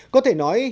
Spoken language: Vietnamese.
có thể nói là